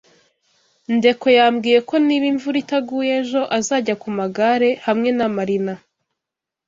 Ndekwe yambwiye ko niba imvura itaguye ejo azajya ku magare hamwe na Marina.